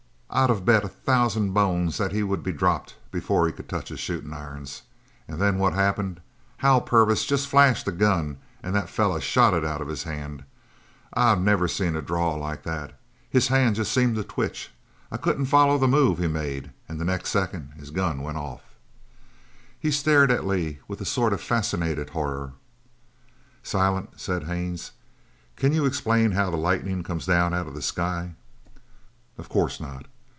I'd of bet a thousand bones that he would be dropped before he could touch his shootin' irons. An' then what happened? Hal Purvis jest flashed a gun and that feller shot it out'n his hand. I never seen a draw like that. His hand jest seemed to twitch I couldn't follow the move he made an' the next second his gun went off." He stared at Lee with a sort of fascinated horror. "Silent," said Haines, "can you explain how the lightning comes down out of the sky?" "Of course not."